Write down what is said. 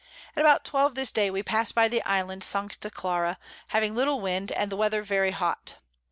About 12 this Day we pass'd by the Island Sancta Clara, having little Wind, and the Weather very hot.